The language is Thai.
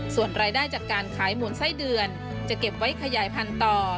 ส่วนรายได้จากการขายหมุนไส้เดือนจะเก็บไว้ขยายพันธุ์ต่อ